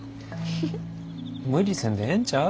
無理せんでええんちゃう？